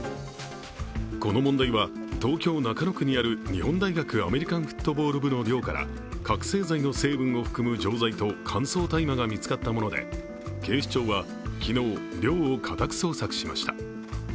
この問題は、東京・中野区にある日本大学アメリカンフットボール部の寮から覚醒剤の成分を含む錠剤と乾燥大麻が見つかったもので警視庁は昨日、寮を家宅捜索しました。